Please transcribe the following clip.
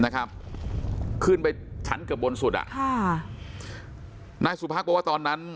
นะครับขึ้นไปชั้นเกือบบนสุดอ่ะค่ะนายสุพักบอกว่าตอนนั้น